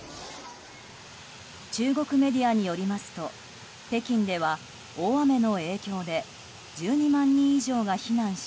中国メディアによりますと北京では、大雨の影響で１２万人以上が避難し